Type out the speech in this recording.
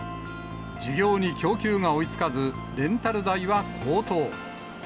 需要に供給が追いつかず、レンタル代は高騰。